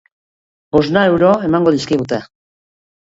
Bosna euro emango dizkigute.